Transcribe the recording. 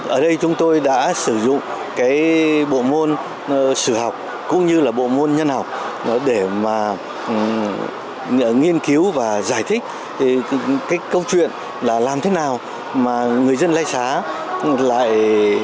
ở đây chúng tôi đã sử dụng cái bộ môn sử học cũng như là bộ môn nhân học để mà nghiên cứu và giải thích cái câu chuyện là làm thế nào mà người dân lai xá lại